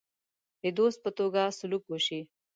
د دوست په توګه سلوک وشي.